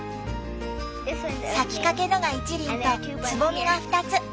咲きかけのが一輪とつぼみが２つ。